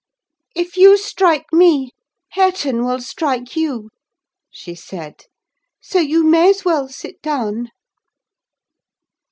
"If you strike me, Hareton will strike you," she said; "so you may as well sit down."